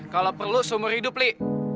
kalau perlu seumur hidup nih